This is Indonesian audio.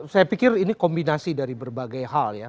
saya pikir ini kombinasi dari berbagai hal ya